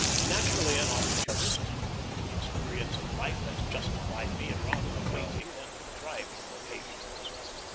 Naturally an opportunist, the experience of life has justified me in rather awaiting than contriving occasions.